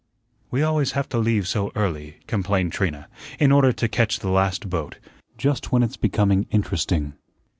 "We always have to leave so early," complained Trina, "in order to catch the last boat. Just when it's becoming interesting."